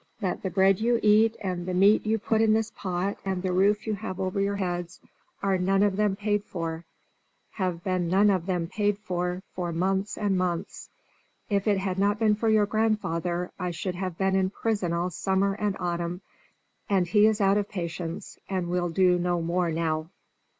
that the bread you eat, and the meat you put in this pot, and the roof you have over your heads, are none of them paid for, have been none of them paid for, for months and months; if it had not been for your grandfather I should have been in prison all summer and autumn, and he is out of patience and will do no more now.